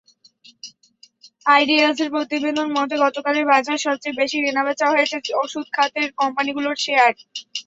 আইডিএলসির প্রতিবেদন মতে, গতকালের বাজারে সবচেয়ে বেশি কেনাবেচা হয়েছে ওষুধ খাতের কোম্পানিগুলোর শেয়ার।